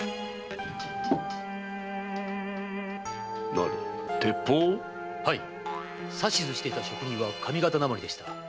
何鉄砲を⁉はい指図していた職人は上方なまりでした。